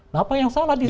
nah apa yang salah di situ